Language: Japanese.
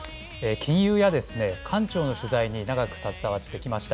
金融や、官庁の取材に長く携わってきました。